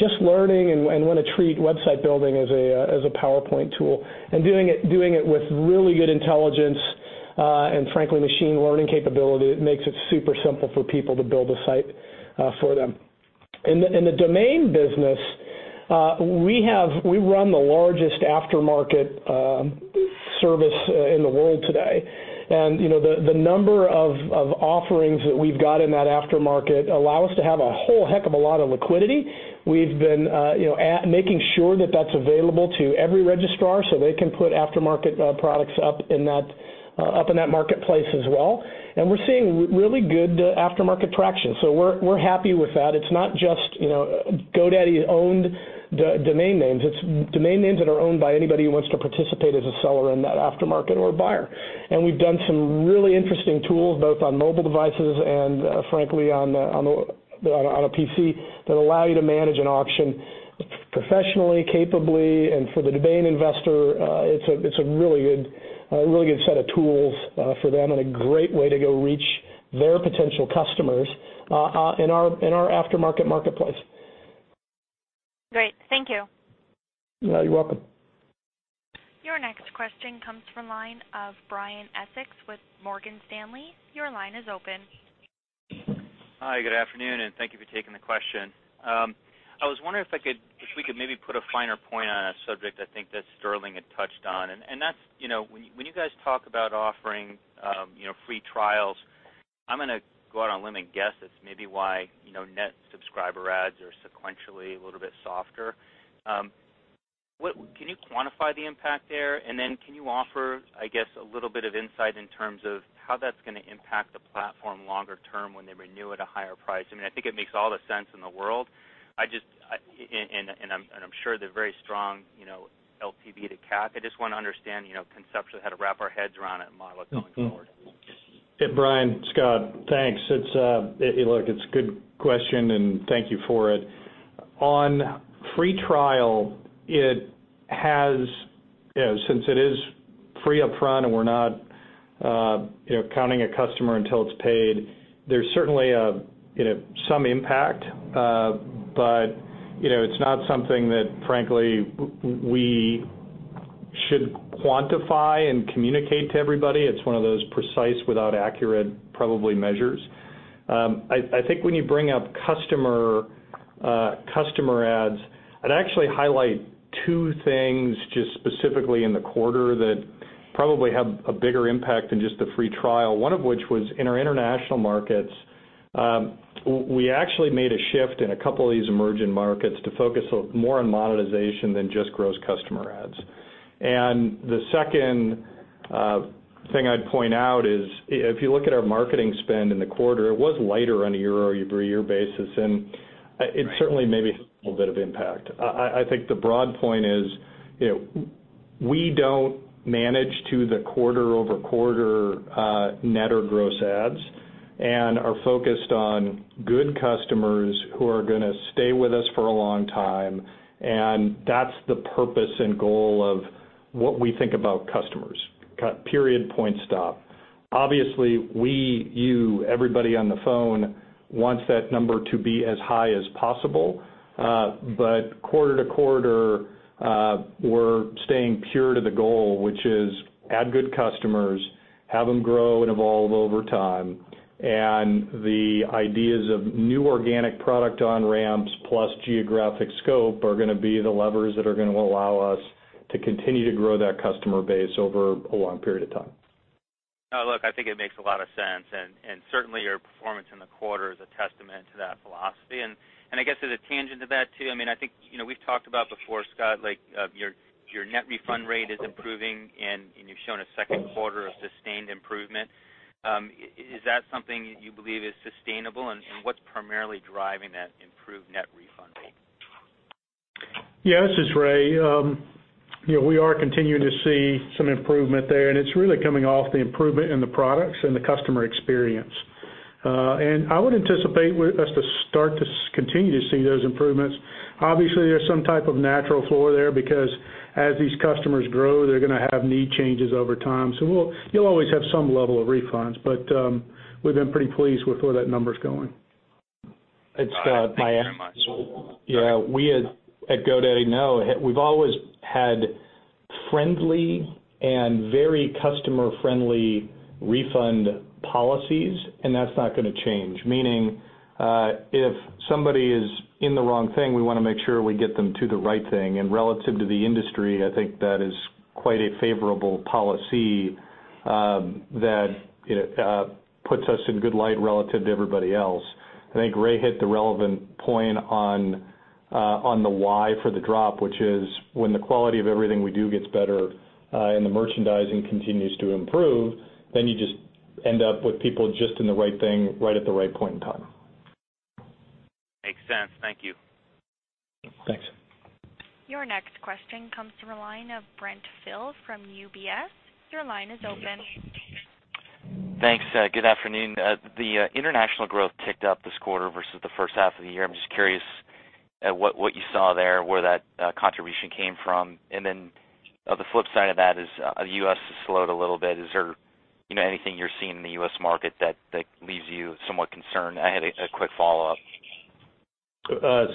just learning and want to treat website building as a PowerPoint tool. Doing it with really good intelligence, and frankly, machine learning capability, makes it super simple for people to build a site for them. In the domain business, we run the largest aftermarket service in the world today. The number of offerings that we've got in that aftermarket allow us to have a whole heck of a lot of liquidity. We've been making sure that that's available to every registrar so they can put aftermarket products up in that marketplace as well. We're seeing really good aftermarket traction. We're happy with that. It's not just GoDaddy-owned domain names. It's domain names that are owned by anybody who wants to participate as a seller in that aftermarket or buyer. We've done some really interesting tools, both on mobile devices and frankly, on a PC, that allow you to manage an auction professionally, capably, and for the domain investor, it's a really good set of tools for them and a great way to go reach their potential customers in our aftermarket marketplace. Great. Thank you. You're welcome. Your next question comes from line of Brian Essex with Morgan Stanley. Your line is open. Hi, good afternoon, and thank you for taking the question. I was wondering if we could maybe put a finer point on a subject I think that Sterling had touched on, and that's when you guys talk about offering free trials, I'm going to go out on a limb and guess it's maybe why net subscriber adds are sequentially a little bit softer. Can you quantify the impact there? And then can you offer, I guess, a little bit of insight in terms of how that's going to impact the platform longer term when they renew at a higher price? I think it makes all the sense in the world, and I'm sure they're very strong LTV to CAC. I just want to understand conceptually how to wrap our heads around it and model it going forward. Hey, Brian, Scott. Thanks. Look, it's a good question, and thank you for it. On free trial, since it is free upfront and we're not counting a customer until it's paid, there's certainly some impact. It's not something that, frankly, we should quantify and communicate to everybody. It's one of those precise without accurate, probably, measures. I think when you bring up customer adds, I'd actually highlight two things just specifically in the quarter that probably have a bigger impact than just the free trial. One of which was in our international markets, we actually made a shift in a couple of these emerging markets to focus more on monetization than just gross customer adds. The second thing I'd point out is, if you look at our marketing spend in the quarter, it was lighter on a year-over-year basis, and it certainly maybe has a little bit of impact. I think the broad point is, we don't manage to the quarter-over-quarter net or gross adds, and are focused on good customers who are going to stay with us for a long time, and that's the purpose and goal of what we think about customers, period, point, stop. Obviously, we, you, everybody on the phone wants that number to be as high as possible. Quarter to quarter, we're staying pure to the goal, which is add good customers, have them grow and evolve over time. The ideas of new organic product on-ramps plus geographic scope are going to be the levers that are going to allow us to continue to grow that customer base over a long period of time. Look, I think it makes a lot of sense, and certainly, your performance in the quarter is a testament to that philosophy. I guess as a tangent to that, too, I think we've talked about before, Scott, your net refund rate is improving, and you've shown a second quarter of sustained improvement. Is that something you believe is sustainable, and what's primarily driving that improved net refund rate? This is Ray. We are continuing to see some improvement there, and it's really coming off the improvement in the products and the customer experience. I would anticipate us to start to continue to see those improvements. Obviously, there's some type of natural floor there, because as these customers grow, they're going to have need changes over time. You'll always have some level of refunds, but we've been pretty pleased with where that number's going. All right. Thank you very much. It's Scott, Brian. We at GoDaddy know we've always had friendly and very customer-friendly refund policies, and that's not going to change. Meaning, if somebody is in the wrong thing, we want to make sure we get them to the right thing. Relative to the industry, I think that is quite a favorable policy that puts us in good light relative to everybody else. I think Ray hit the relevant point on the why for the drop, which is when the quality of everything we do gets better and the merchandising continues to improve, you just end up with people just in the right thing, right at the right point in time. Makes sense. Thank you. Thanks. Your next question comes from the line of Brent Thill from UBS. Your line is open. Thanks. Good afternoon. The international growth ticked up this quarter versus the first half of the year. I'm just curious what you saw there, where that contribution came from. Then on the flip side of that is, the U.S. has slowed a little bit. Is there anything you're seeing in the U.S. market that leaves you somewhat concerned? I had a quick follow-up.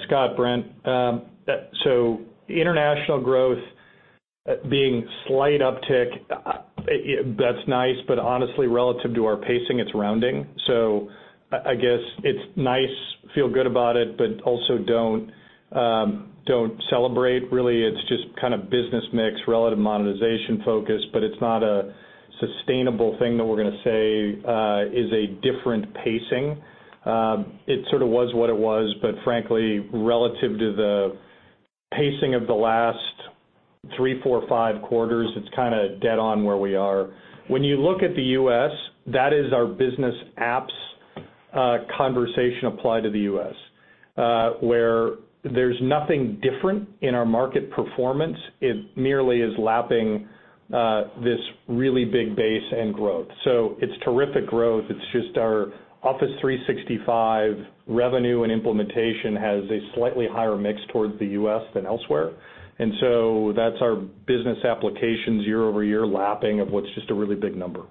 Scott, Brent. International growth being slight uptick, that's nice, but honestly, relative to our pacing, it's rounding. I guess it's nice, feel good about it, but also don't celebrate, really. It's just business mix, relative monetization focus, but it's not a sustainable thing that we're going to say is a different pacing. It sort of was what it was, frankly, relative to the pacing of the last three, four, five quarters, it's kind of dead on where we are. You look at the U.S., that is our business apps conversation applied to the U.S., where there's nothing different in our market performance. It merely is lapping this really big base and growth. It's terrific growth. It's just our Office 365 revenue and implementation has a slightly higher mix towards the U.S. than elsewhere. That's our business applications year-over-year lapping of what's just a really big number.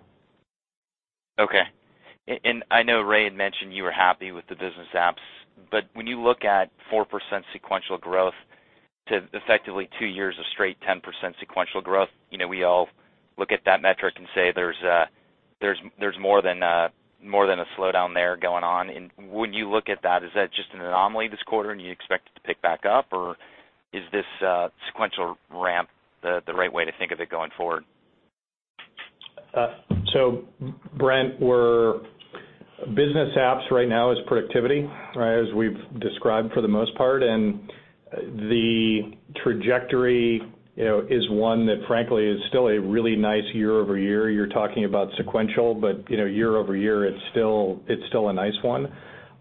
I know Ray had mentioned you were happy with the business apps, but when you look at 4% sequential growth to effectively two years of straight 10% sequential growth, we all look at that metric and say there's more than a slowdown there going on. When you look at that, is that just an anomaly this quarter and you expect it to pick back up, or is this sequential ramp the right way to think of it going forward? Brent, business apps right now is productivity, as we've described for the most part, and the trajectory is one that, frankly, is still a really nice year-over-year. You're talking about sequential, but year-over-year, it's still a nice one.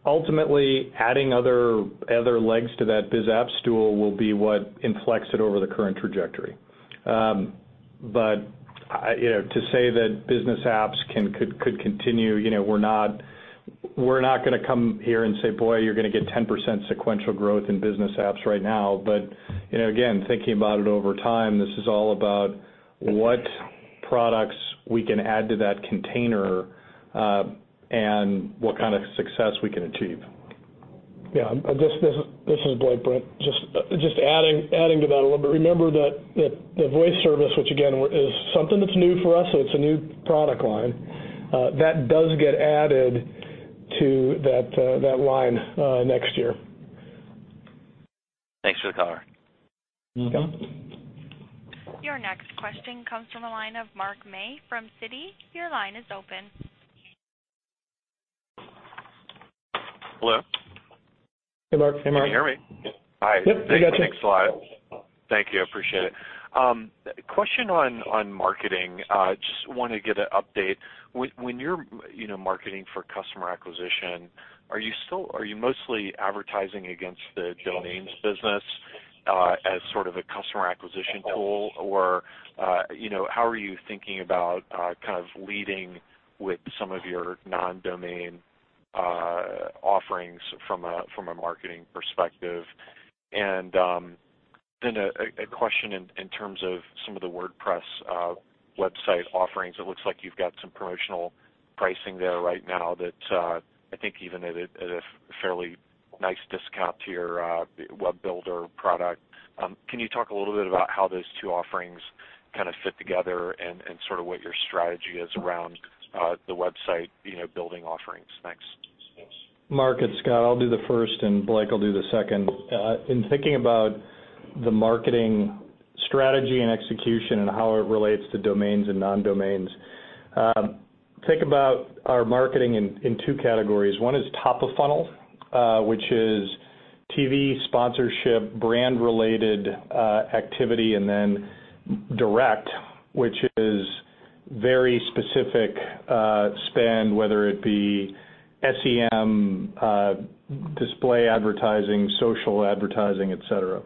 Ultimately, adding other legs to that biz app stool will be what inflects it over the current trajectory. To say that business apps could continue, we're not going to come here and say, "Boy, you're going to get 10% sequential growth in business apps right now." Again, thinking about it over time, this is all about what products we can add to that container, and what kind of success we can achieve. Yeah. This is Blake, Brent, just adding to that a little bit. Remember that the voice service, which again, is something that's new for us, so it's a new product line, that does get added to that line next year. Thanks for the color. Scott. Your next question comes from the line of Mark May from Citi. Your line is open. Hello? Hey, Mark. Hey, Mark. Can you hear me? Yep, we got you. Hi. Thanks a lot. Thank you, I appreciate it. Question on marketing. Just want to get an update. When you're marketing for customer acquisition, are you mostly advertising against the domains business, as sort of a customer acquisition tool? How are you thinking about kind of leading with some of your non-domain offerings from a marketing perspective? A question in terms of some of the WordPress website offerings. It looks like you've got some promotional pricing there right now that I think even at a fairly nice discount to your web builder product. Can you talk a little bit about how those two offerings kind of fit together and sort of what your strategy is around the website building offerings? Thanks. Mark, it's Scott. I'll do the first, and Blake'll do the second. In thinking about the marketing strategy and execution and how it relates to domains and non-domains, think about our marketing in two categories. One is top of funnel, which is TV sponsorship, brand-related activity, and then direct, which is very specific spend, whether it be SEM, display advertising, social advertising, et cetera.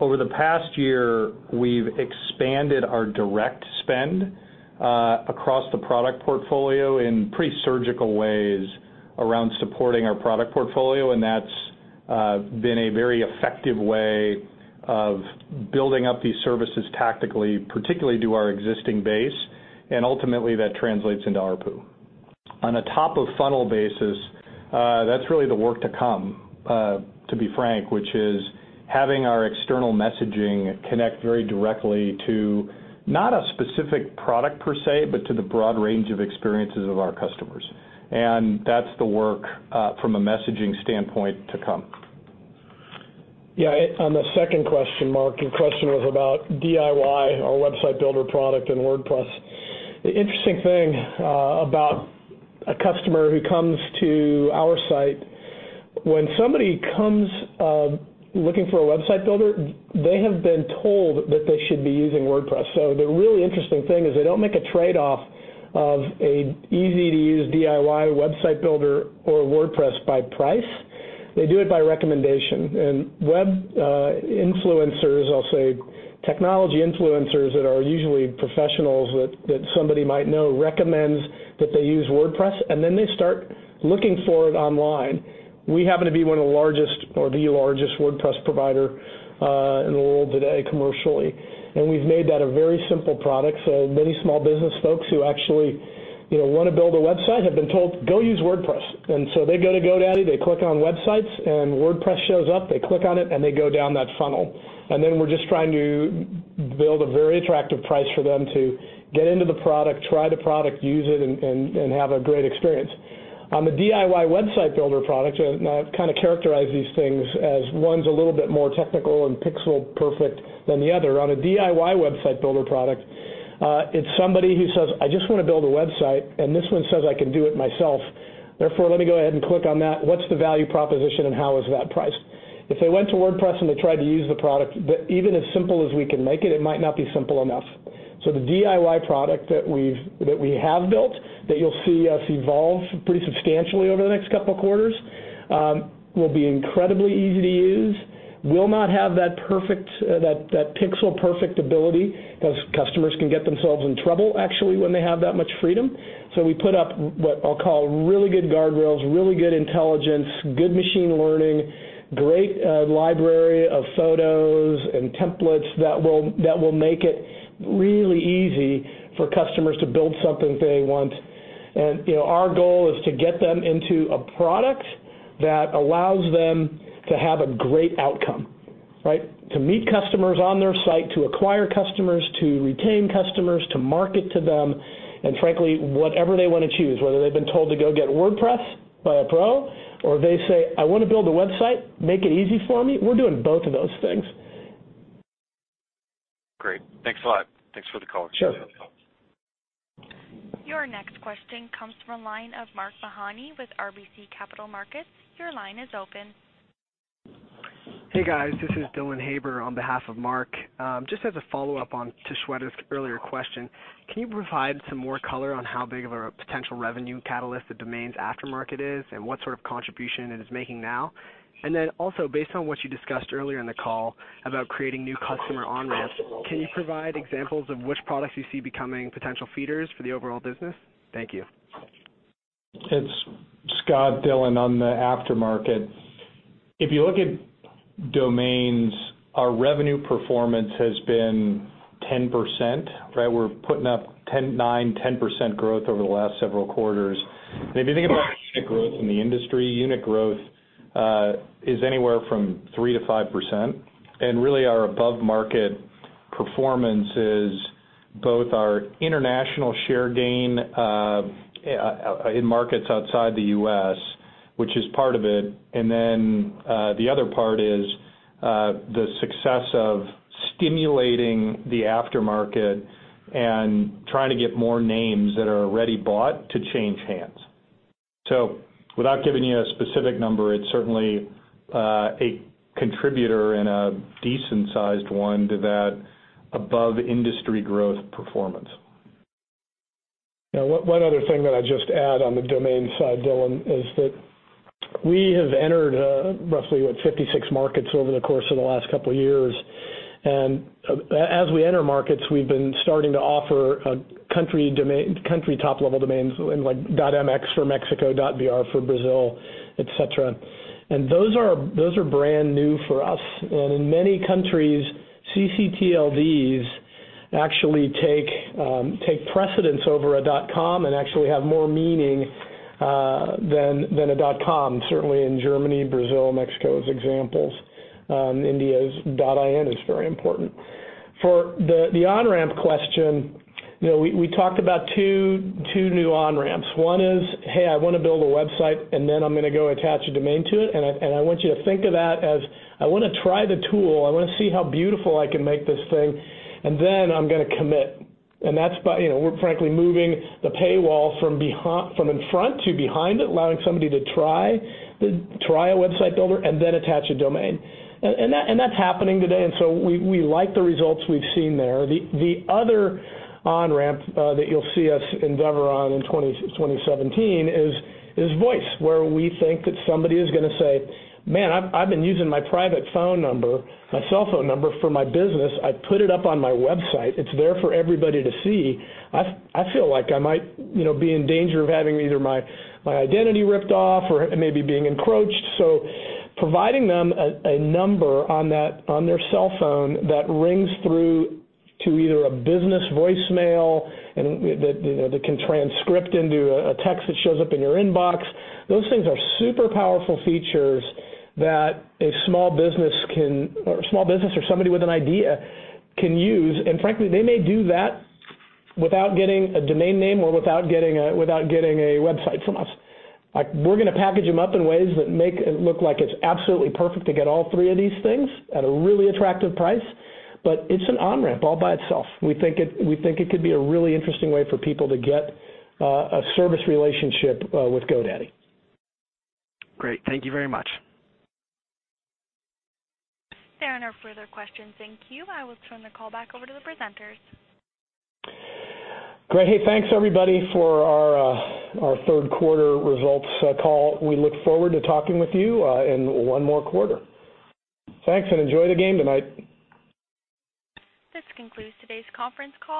Over the past year, we've expanded our direct spend across the product portfolio in pretty surgical ways around supporting our product portfolio, and that's been a very effective way of building up these services tactically, particularly to our existing base, and ultimately, that translates into ARPU. On a top-of-funnel basis, that's really the work to come, to be frank, which is having our external messaging connect very directly to not a specific product per se, but to the broad range of experiences of our customers. That's the work, from a messaging standpoint, to come. Yeah. On the second question, Mark, your question was about DIY, our website builder product in WordPress. The interesting thing about a customer who comes to our site, when somebody comes looking for a website builder, they have been told that they should be using WordPress. The really interesting thing is they don't make a trade-off of an easy-to-use DIY website builder or WordPress by price. They do it by recommendation. Web influencers, I'll say, technology influencers that are usually professionals that somebody might know, recommends that they use WordPress, and then they start looking for it online. We happen to be one of the largest, or the largest WordPress provider in the world today commercially, and we've made that a very simple product. Many small business folks who actually want to build a website have been told, "Go use WordPress." They go to GoDaddy, they click on websites, and WordPress shows up, they click on it, and they go down that funnel. We're just trying to build a very attractive price for them to get into the product, try the product, use it, and have a great experience. On the DIY website builder product, and I kind of characterize these things as one's a little bit more technical and pixel perfect than the other. On a DIY website builder product, it's somebody who says, "I just want to build a website, and this one says I can do it myself. Therefore, let me go ahead and click on that. What's the value proposition and how is that priced? If they went to WordPress and they tried to use the product, even as simple as we can make it might not be simple enough. The DIY product that we have built, that you'll see us evolve pretty substantially over the next couple of quarters, will be incredibly easy to use, will not have that pixel perfect ability, because customers can get themselves in trouble, actually, when they have that much freedom. We put up what I'll call really good guardrails, really good intelligence, good machine learning, great library of photos and templates that will make it really easy for customers to build something they want. Our goal is to get them into a product that allows them to have a great outcome. To meet customers on their site, to acquire customers, to retain customers, to market to them, and frankly, whatever they want to choose, whether they've been told to go get WordPress by a pro, or they say, "I want to build a website, make it easy for me," we're doing both of those things. Great. Thanks a lot. Thanks for the call. Sure thing. Your next question comes from a line of Mark Mahaney with RBC Capital Markets. Your line is open. Hey, guys. This is Dylan Haber on behalf of Mark. Just as a follow-up on to Shweta's earlier question, can you provide some more color on how big of a potential revenue catalyst the domains aftermarket is and what sort of contribution it is making now? Also, based on what you discussed earlier in the call about creating new customer on-ramps, can you provide examples of which products you see becoming potential feeders for the overall business? Thank you. It's Scott, Dylan, on the aftermarket. If you look at domains, our revenue performance has been 10%, right? We're putting up 9, 10% growth over the last several quarters. If you think about unit growth in the industry, unit growth is anywhere from 3%-5%. Really, our above-market performance is both our international share gain in markets outside the U.S., which is part of it, the other part is the success of stimulating the aftermarket and trying to get more names that are already bought to change hands. Without giving you a specific number, it's certainly a contributor and a decent-sized one to that above-industry growth performance. One other thing that I'd just add on the domain side, Dylan, is that we have entered roughly, what, 56 markets over the course of the last couple of years. As we enter markets, we've been starting to offer country top-level domains, like .mx for Mexico, .br for Brazil, et cetera. Those are brand new for us, and in many countries, CCTLDs actually take precedence over a .com and actually have more meaning than a .com, certainly in Germany, Brazil, Mexico as examples. India's .in is very important. For the on-ramp question, we talked about two new on-ramps. One is, "Hey, I want to build a website, and then I'm going to go attach a domain to it." I want you to think of that as, "I want to try the tool. I want to see how beautiful I can make this thing, and then I'm going to commit." We're frankly moving the paywall from in front to behind it, allowing somebody to try a website builder and then attach a domain. That's happening today, we like the results we've seen there. The other on-ramp that you'll see us endeavor on in 2017 is voice, where we think that somebody is going to say, "Man, I've been using my private phone number, my cellphone number for my business. I put it up on my website. It's there for everybody to see. I feel like I might be in danger of having either my identity ripped off or maybe being encroached." Providing them a number on their cellphone that rings through to either a business voicemail that can transcript into a text that shows up in your inbox, those things are super powerful features that a small business or somebody with an idea can use. Frankly, they may do that without getting a domain name or without getting a website from us. We're going to package them up in ways that make it look like it's absolutely perfect to get all three of these things at a really attractive price, but it's an on-ramp all by itself. We think it could be a really interesting way for people to get a service relationship with GoDaddy. Great. Thank you very much. There are no further questions in queue. I will turn the call back over to the presenters. Great. Hey, thanks everybody for our third quarter results call. We look forward to talking with you in one more quarter. Thanks. Enjoy the game tonight. This concludes today's conference call.